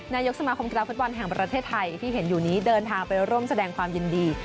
นายกสมาคมกีฬาฟุตบอลแห่งประเทศไทยที่เห็นอยู่นี้เดินทางไปร่วมแสดงความยินดี